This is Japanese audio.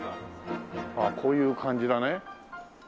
ああこういう感じだね。